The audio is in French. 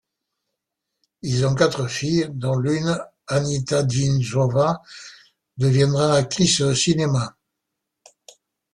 Ils ont quatre filles, dont l'une, Anita Dymszówna, deviendra actrice de cinéma.